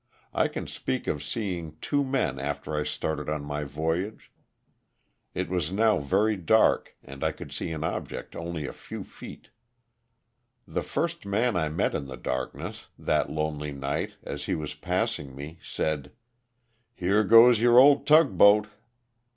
I can speak of seeing two men after I started on my voyage; it was now very dark and I could see an object only a few feet. The first man I met in the darkness. LOSS OF THE SULTAKA. 227 that lonely night, as he was passing me said, " Here goes your old tug boat."